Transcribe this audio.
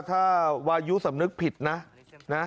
ถ้าวายุสำนึกผิดนะนะ